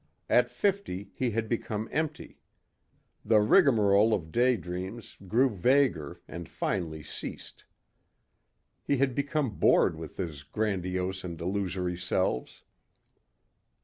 At fifty he had become empty. The rigmarole of day dreams grew vaguer and finally ceased. He had become bored with his grandiose and illusory selves.